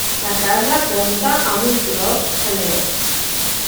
La casa compta amb un clos annex.